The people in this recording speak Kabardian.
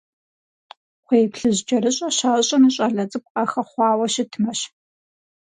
КхъуейплъыжькӀэрыщӀэр щащӀыр щӀалэ цӀыкӀу къахэхъуауэ щытмэщ.